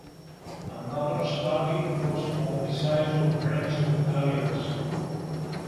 Another study was on the size of brains of Italians.